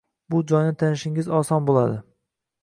bu joyni tanishingiz oson bo ‘ladi.